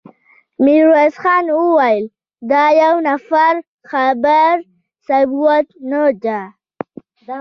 ميرويس خان وويل: د يوه نفر خبره ثبوت نه ده.